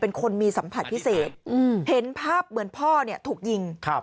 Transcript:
เป็นคนมีสัมผัสพิเศษเห็นภาพเหมือนพ่อถูกยิง